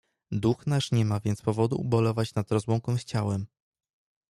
"Duch nasz nie ma więc powodu ubolewać nad rozłąką z ciałem."